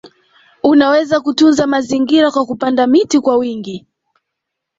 Unaweza kutunza mazingira kwa kupanda miti kwa wingi